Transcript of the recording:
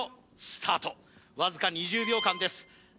スタートわずか２０秒間です